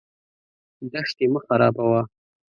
دښتې مه خرابوه.